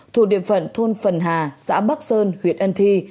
thuộc địa phận thôn phần hà xã bắc sơn huyện ân thi